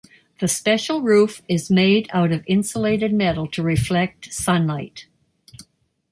The special roof is made out of insulated metal to reflect sunlight.